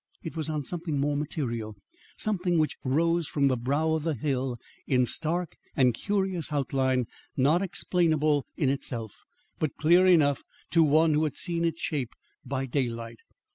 It was on something more material; something which rose from the brow of the hill in stark and curious outline not explainable in itself, but clear enough to one who had seen its shape by daylight.